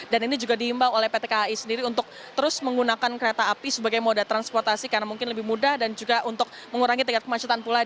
dan ini juga diimbang oleh pt kai sendiri untuk terus menggunakan kereta api sebagai moda transportasi karena mungkin lebih mudah dan juga untuk mengurangi tingkat kemacetan pula